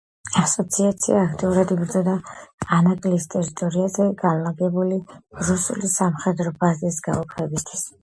ასოციაცია აქტიურად იბრძოდა ანაკლიის ტერიტორიაზე განლაგებული რუსული სამხედრო ბაზის გაუქმებისათვის.